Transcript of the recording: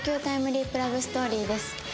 タイムリープ・ラブストーリーです。